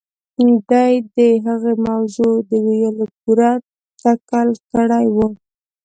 دې د هغې موضوع د ويلو پوره تکل کړی و.